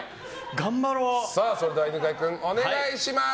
それでは犬飼君お願いします。